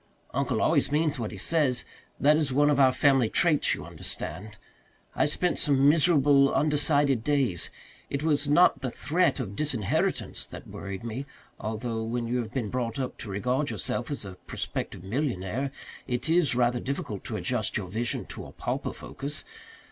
Uncle always means what he says that is one of our family traits, you understand. I spent some miserable, undecided days. It was not the threat of disinheritance that worried me, although when you have been brought up to regard yourself as a prospective millionaire it is rather difficult to adjust your vision to a pauper focus.